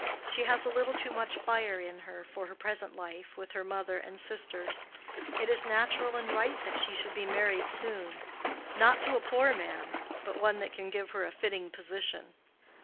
She has a little too much fire in her for her present life with her mother and sisters. It is natural and right that she should be married soon—not to a poor man, but one who can give her a fitting position."